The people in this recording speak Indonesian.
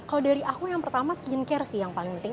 kalau dari aku yang pertama skincare sih yang paling penting